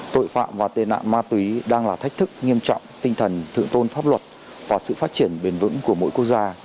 tội phạm và tên nạn ma túy đang là thách thức nghiêm trọng tinh thần thượng tôn pháp luật và sự phát triển bền vững của mỗi quốc gia